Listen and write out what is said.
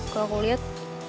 kalau aku lihat